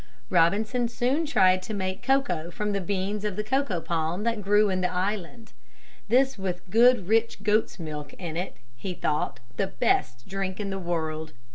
Robinson soon tried to make cocoa from the beans of the cocoa palm that grew in the island. This with good rich goats' milk in it he thought the best drink in the world.